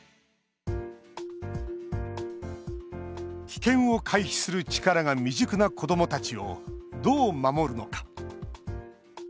危険を回避する力が未熟な子どもたちをどう守るのか。